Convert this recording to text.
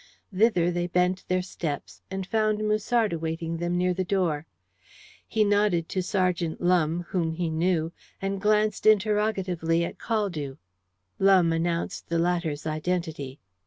Thither they bent their steps, and found Musard awaiting them near the door. He nodded to Sergeant Lumbe, whom he knew, and glanced interrogatively at Caldew. Lumbe announced the latter's identity.